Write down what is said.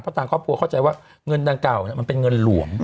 เพราะทางครอบครัวเข้าใจว่าเงินดังกล่าวมันเป็นเงินหลวง